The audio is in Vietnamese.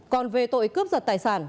còn về tội cướp giật tài sản